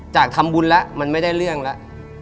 จากทำบุญแล้วมันไม่ได้เรื่องแล้ว